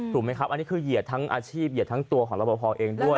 ถูกไหมครับอันนี้คือเหยียดทั้งอาชีพเหยียดทั้งตัวของรับประพอเองด้วย